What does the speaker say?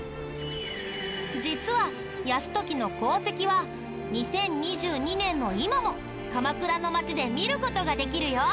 実は泰時の功績は２０２２年の今も鎌倉の街で見る事ができるよ。